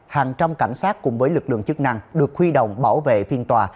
hàng trăm cảnh sát cùng với lực lượng chức năng được khuy động bảo vệ phiên tòa